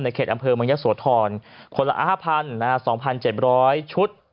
ในเขตอำเภอมยสวทรคนละ๕๐๐๐นะและ๒๗๐๐ชุด